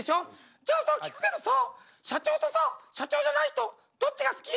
「じゃあさ聞くけどさ社長とさ社長じゃない人どっちが好き？」。